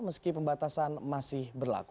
meski pembatasan masih berlaku